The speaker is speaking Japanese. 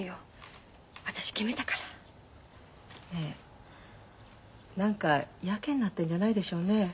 ねえ何かヤケになってんじゃないでしょうね。